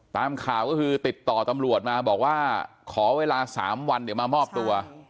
ตามข่าวก็คือติดต่อตำรวจมาบอกว่าขอเวลา๓วันเดี๋ยวมามอบตัว